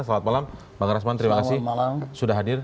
selamat malam bang rasman terima kasih